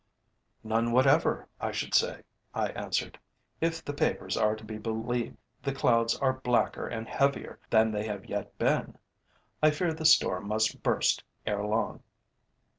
"None whatever, I should say," I answered. "If the papers are to be believed the clouds are blacker and heavier than they have yet been. I fear the storm must burst ere long."